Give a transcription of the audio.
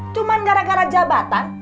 cuman gara gara jabatan